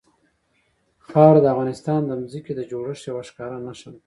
خاوره د افغانستان د ځمکې د جوړښت یوه ښکاره نښه ده.